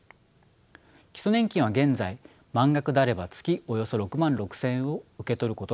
基礎年金は現在満額であれば月およそ６万６，０００円を受け取ることができます。